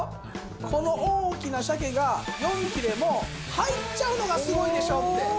この大きな鮭が４切れも入っちゃうのがすごいでしょって。